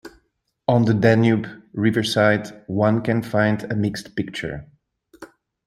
On the Danube riverside, one can find a mixed picture.